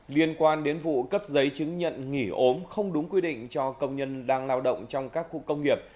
liên quan đến vụ cấp giấy chứng nhận nghỉ ốm không đúng quy định cho công nhân đang lao động trong các khu công nghiệp